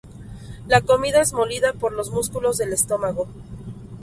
La comida es molida por los músculos del estómago.